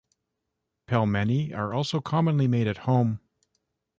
Pelmeni are also commonly made at home.